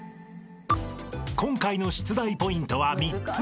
［今回の出題ポイントは３つ］